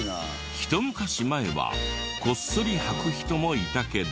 ひと昔前はこっそり履く人もいたけど。